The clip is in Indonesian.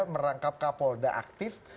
merangkap kapolda aktif